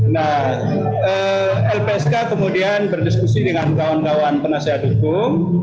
nah lpsk kemudian berdiskusi dengan kawan kawan penasihat hukum